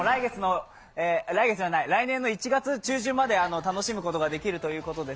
来年の１月中旬まで楽しむことができるということで、